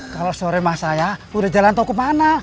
kalau sore mak saya udah jalan tau ke mana